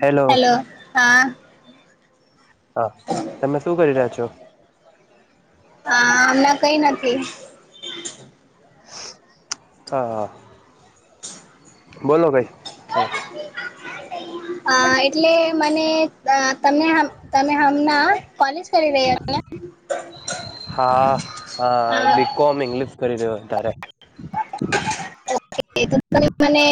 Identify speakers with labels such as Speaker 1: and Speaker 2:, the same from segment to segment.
Speaker 1: Hello. હા તમે શું કરી રહ્યા છો?
Speaker 2: હા અમે કઈ નથી.
Speaker 1: હા હા બોલો ભઈ. [inaudible]
Speaker 2: અ એટલે મને તમેં હ તમે હમણા, કોલેજ કરી રહ્યા હતા.
Speaker 1: હા હ
Speaker 2: હા
Speaker 1: બીકોમ ઇંગ્લિશ કરી રહ્યો અત્યારે,
Speaker 2: એ તો તમે મને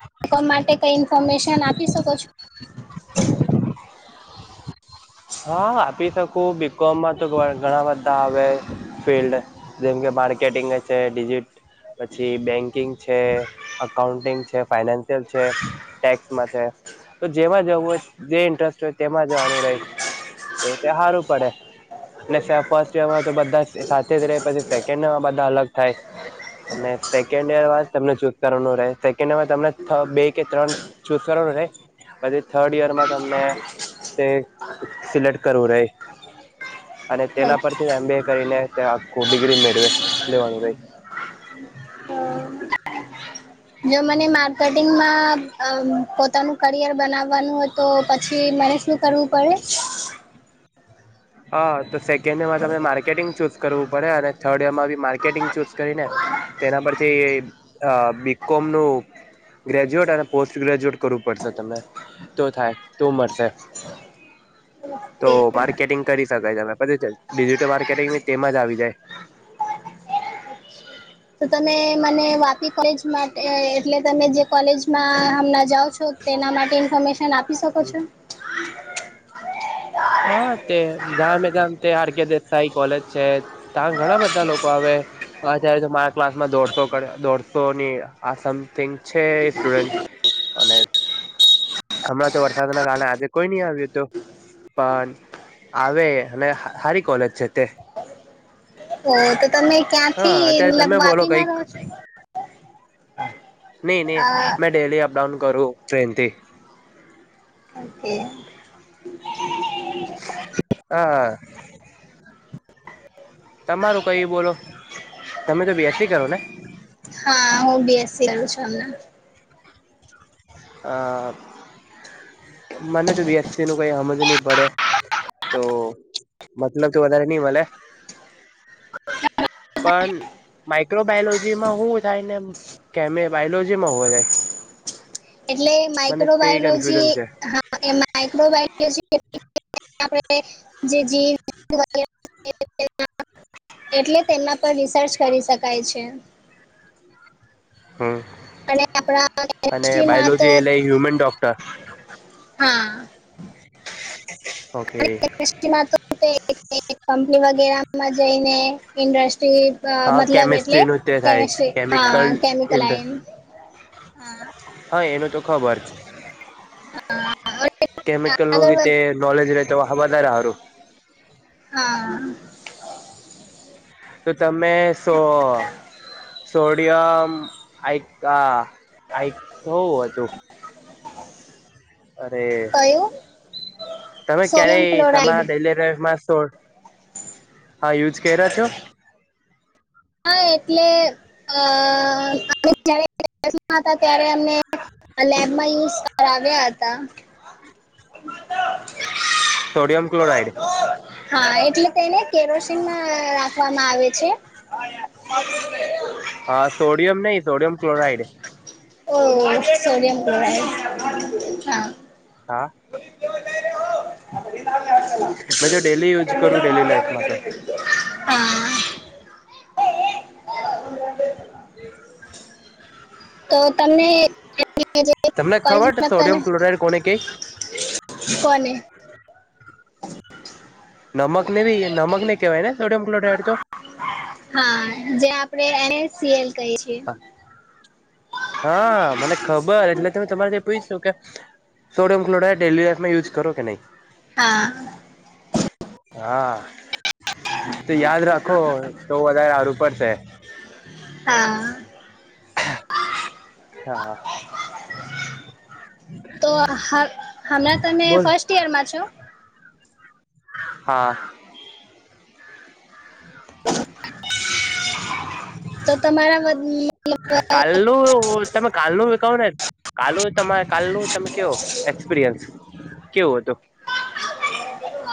Speaker 2: [inaudible] માટે કઈ ઇન્ફોર્મેશન આપી શકો છો?
Speaker 1: [inaudible] હા આપી શકું બીકોમમાં તો ઘણા બધા આવે ફિલ્ડ, જેમ કે માર્કેટિંગ છે, ડીજીટ પછી બેંકિંગ છે. અકાઉન્ટિંગ છે, ફાઈનાન્શિયલ છે, ટેક્સમાં છે. તો જેમાં જવું હોય, જે ઇન્ટરેસ્ટ હોય, તેમાં જવાનું રહે. તો તે સારું પડે. ફર્સ્ટ યર માં તો બધા સાથે જ રહે પછી સેકન્ડ યર માં બધા અલગ થાય. અને સેકન્ડ યર જ તમને ચૂસ કરવાનું રહે, સેકન્ડ યરમાં તમને બે કે ત્રણ, ચુસ કરવાનું રહે પછી થર્ડ યરમાં તમને તે, સિલેેક્ટ કરવું રહે. અને
Speaker 2: છો
Speaker 1: તેના પરથી એમબી એ કરીને આખું ડિગ્રી મેળવે લેવાનું રહે.
Speaker 2: જો મને માર્કેટિંગમાં પોતાનું કરિયર બનાવવાનું હતું પછી મને શું કરવું પડે,
Speaker 1: હ તો સેકન્ડ યરમાં તમને માર્કેટિંગ ચુસ કરવું પડે અને થર્ડ યરમાં બી માર્કેટિંગ ચુસ કરીને, તેના પરથી અ બીકોમ નું ગ્રેજ્યુએટ અને પોસ્ટ ગ્રેજ્યુએટ કરવું પડશે તમને તો થાય તો મળશે તો
Speaker 2: [inaudible]
Speaker 1: માર્કેટિંગ કરી શકાય [unintelligible] ડિજિટલ માર્કેટિંગ તેમાંજ આવી જાય
Speaker 2: તો તમે મને વાપી કોલેજ માટે એટલે તમે જે કોલેજમાં હમણાં જાઓ છો તેના માટે ઇન્ફોર્મેશન આપી શકો છો
Speaker 1: હા તે [unintelligible] તે આર કે દેસાઈ કોલેજ છે. તા ઘણા બધા લોકો આવે અત્યારે તો મારા ક્લાસમાં દોઢસો કર દોઢસોની આ સમથિંગ છે, સ્ટુડન્ટ અને હમણાં તો વરસાદના કારણે આજે કોઈ ની આવ્યું તું પણ આવે અને હારી કોલેજ છે, તે
Speaker 2: ઓ તો તમે
Speaker 1: હા
Speaker 2: ક્યાંથી
Speaker 1: અત્યારે
Speaker 2: મતલબ વાપી માં રહો છો?
Speaker 1: ની ની
Speaker 2: અ
Speaker 1: મે ડેલી અપડાઉન કરું ટ્રેનથી
Speaker 2: [inaudible]
Speaker 1: [inaudible] તમારું કંઈ બોલો તમે તો બીએસસી કરો ને
Speaker 2: હા હું બીએસસી કરું છું અમના
Speaker 1: અ મને તો બીએસસી નું કઈ હમજ ની પડે તો મતલબ વધારે ની મલે પન માઈક્રોબાયોલોજીમાં હુ થાય ને કેમે બાયોલોજીમાં હોવા જાય
Speaker 2: એટલે
Speaker 1: મને તે
Speaker 2: માઈક્રોબાયોલોજી
Speaker 1: કન્ફ્યુઝન છે
Speaker 2: હા એ માઈક્રોબાયોલોજી આપણે જે જી [unintelligible] એટલે તેમના પર રિસર્ચ કરી શકાય છે.
Speaker 1: હ
Speaker 2: અને આપણા
Speaker 1: અને
Speaker 2: કેમેસ્ટ્રીમાં તો
Speaker 1: બાયોલોજી એલેય હ્યુમન ડોક્ટર
Speaker 2: હા.
Speaker 1: ઓકેય
Speaker 2: [unintelligible] માં તો [inaudible] કંપની વગેરામાં જઈને ઇન્ડસ્ટ્રી
Speaker 1: હા
Speaker 2: મતલબ એટલે
Speaker 1: કેમિસ્ટ્રીનું તે થાય
Speaker 2: કેમસ્ટ્રી હા
Speaker 1: કેમિકલ
Speaker 2: કેમિકલ
Speaker 1: ઇન્ડ
Speaker 2: [unintelligible] હા
Speaker 1: હ એનું તો ખબર કેમિકલનું
Speaker 2: આગળ
Speaker 1: વીતે
Speaker 2: વધ
Speaker 1: નોલેજ રે તો વધારે હારું
Speaker 2: હા.
Speaker 1: શું તમે સો સોડિયમ આઇક આ આઇક હુ હતું?
Speaker 2: [inaudible]
Speaker 1: અરે
Speaker 2: કયું
Speaker 1: તમે
Speaker 2: સોડિયમ
Speaker 1: ક્યારેય
Speaker 2: ક્લોરાઈડ
Speaker 1: તમારા ડેલી લાઈફમાં શો યુજ કયરા છો?
Speaker 2: હ એટલે અ [inaudible] હતા ત્યારે અમને આ લેબમાં યુઝ કરાવ્યા હતા [unintelligible]
Speaker 1: સોડિયમ ક્લોરાઇડ
Speaker 2: હા એટલે તેને કેરોસીનમા રાખવામાં આવે છે.
Speaker 1: હા સોડિયમ નઈ સોડિયમ ક્લોરાઈડ
Speaker 2: ઓહ સોડિયમ ક્લોરાઇડ હા
Speaker 1: હા. મેં જો ડેલી યુઝ કરું ડેલી
Speaker 2: [unintelligible]
Speaker 1: લાઈફમાં તો
Speaker 2: હા.
Speaker 1: [inaudible]
Speaker 2: તો તમને
Speaker 1: તમને
Speaker 2: [unintelligible]
Speaker 1: ખબર છે
Speaker 2: કોલેજમા હતાં ને?
Speaker 1: સોડિયમ કોને કેય?
Speaker 2: તને.
Speaker 1: નમકને ભી નમકને કેહેવાયને સોડિયમ ક્લોરાઇડ તો.
Speaker 2: હા જે આપડે એ ને સી એલ કહીએ છીએ.
Speaker 1: હા મને ખબર એટલે તો મેં તમારાથી પુયછું કે સોડિમ ક્લોરાઇડ ડેલી લાઇફમાં યુઝ કરો કે નહી?
Speaker 2: હા
Speaker 1: હા. તો યાદ રાખો તો વધારે હારું પડશે.
Speaker 2: હા.
Speaker 1: હા.
Speaker 2: તો હાલ હાલમાં તમે
Speaker 1: બોલ
Speaker 2: ફર્સ્ટ યરમાં છો?
Speaker 1: હા.
Speaker 2: તો તમારા મત
Speaker 1: કાલનું તમે કાલનું વિકાવના ને? કાલો તમાર કાલનો તમ ક્યો એક્સપિરિયન્સ, કેવો હતો?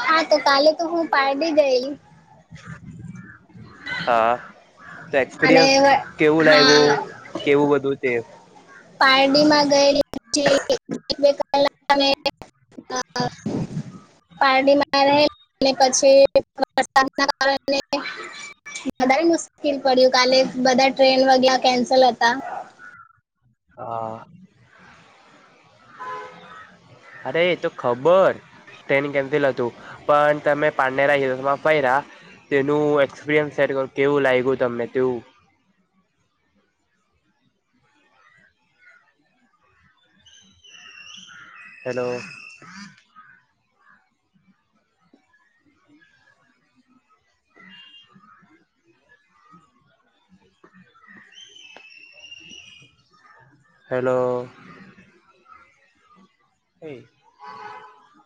Speaker 2: હા તો કાલે તો હું પારડી ગયેલી.
Speaker 1: હા, તો
Speaker 2: અને
Speaker 1: એક્સપિરિયન્સ કેવું
Speaker 2: હા
Speaker 1: લાયગું? કેવું બધું તે?
Speaker 2: પારડીમાં ગયેલી હુતી એટલે [unintelligible] અને [unintelligible] પારડીમાં રહે પછી વરસાદ ના કારણે. વધારે મુશ્કેલ પડ્યું કાલે બધા ટ્રેન વગે કેન્સલ હતા.
Speaker 1: હા.
Speaker 2: હ છે [inaudible]
Speaker 1: અરે તો ખબર. ટ્રેન કેન્સિલ હતું, પણ તમે પાંનેરા હિવસમાં ફૈ રહ્યા. તેનું એક્સપિરિયન્સ શેર કરું કેવું લાગ્યું તમને તેવું? હેલો. હલો. હો.